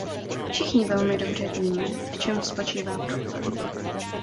Všichni velmi dobře víme, v čem spočívá problém.